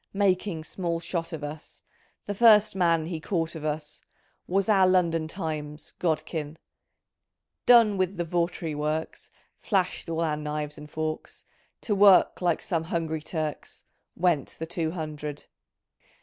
Making small shot of us ;• The first man he caught of us. Was our London Times — Godkin, " Done with the Vartry Works, Flashed all our knives and forks ; To work, like some ' hungry Turks,' Went the two hundred.